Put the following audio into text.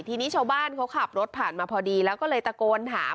ทีนี้ชาวบ้านเขาขับรถผ่านมาพอดีแล้วก็เลยตะโกนถาม